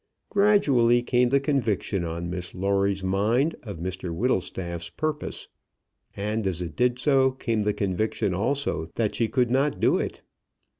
Gradually came the conviction on Miss Lawrie's mind of Mr Whittlestaff's purpose. And, as it did so, came the conviction also that she could not do it.